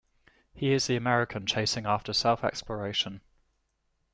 He is the American chasing after self-exploration.